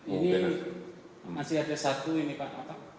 ini masih ada satu ini pak bapak